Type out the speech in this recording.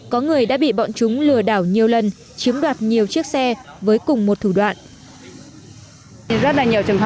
có người đã bị bọn chúng lừa đảo nhiều lần chiếm đoạt nhiều chiếc xe với cùng một thủ đoạn